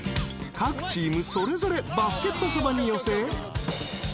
［各チームそれぞれバスケットそばに寄せ］